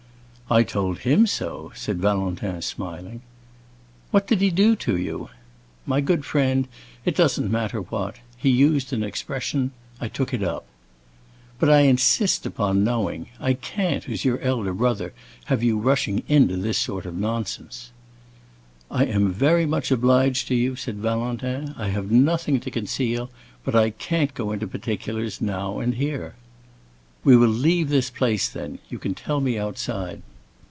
"I told him so," said Valentin, smiling. "What did he do to you?" "My good friend, it doesn't matter what. He used an expression—I took it up." "But I insist upon knowing; I can't, as your elder brother, have you rushing into this sort of nonsense." "I am very much obliged to you," said Valentin. "I have nothing to conceal, but I can't go into particulars now and here." "We will leave this place, then. You can tell me outside."